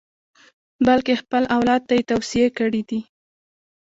بلکې خپل اولاد ته یې توصیې کړې دي.